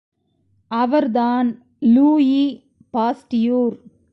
அவர்தான் Louis Pasteur!